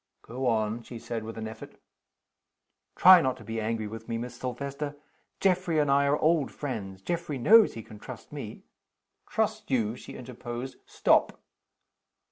"Go on," she said, with an effort. "Try not to be angry with me, Miss Silvester. Geoffrey and I are old friends. Geoffrey knows he can trust me " "Trust you?" she interposed. "Stop!"